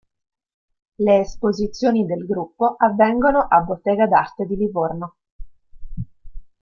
Le esposizioni del gruppo avvengono a Bottega d'arte di Livorno.